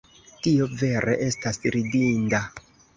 Tio vere estas ridinda!